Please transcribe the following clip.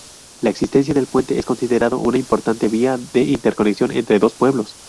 La existencia del puente es considerado una importante vía de interconexión entre dos pueblos.